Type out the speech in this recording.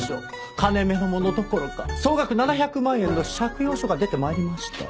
金目の物どころか総額７００万円の借用書が出て参りました。